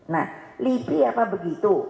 nah lipi apa begitu